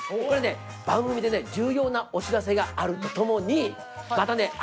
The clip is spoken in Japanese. これね番組で重要なお知らせがあるとともにまたね